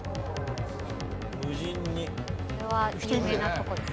これは有名なとこです。